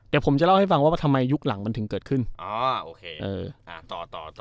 แต่ผมจะเล่าให้ฟังว่าว่าทำไมยุคหลังมันถึงเกิดขึ้นอ๋อโอเคเอออ่าต่อต่อต่อ